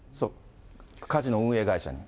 カジノ運営会社に。